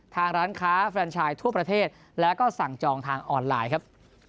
ทางร้านค้าแฟนชายทั่วประเทศแล้วก็สั่งจองทางออนไลน์ครับ